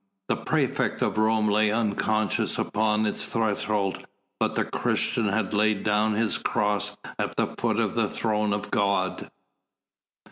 The praefect of Rome lay unconscious upon its threshold but the Christian had laid down his cross at the foot of the throne of God.